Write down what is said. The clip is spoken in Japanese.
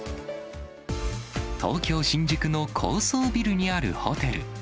東京・新宿の高層ビルにあるホテル。